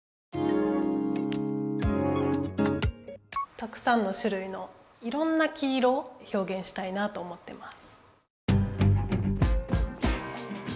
たくさんのしゅるいのいろんな黄色ひょうげんしたいなと思ってます。